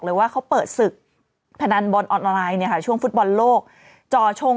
หมดปุ่มตกไปครึ่ง